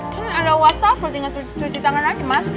kan ada wastafel tinggal cuci tangan aja mas